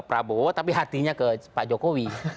prabowo tapi hatinya ke pak jokowi